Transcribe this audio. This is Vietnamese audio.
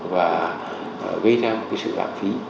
và gây ra một cái sự giảm phí